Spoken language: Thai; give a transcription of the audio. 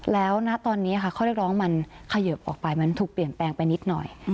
แล้วณตอนนี้ค่ะข้อเรียกร้องมันเขยิบออกไปมันถูกเปลี่ยนแปลงไปนิดหน่อย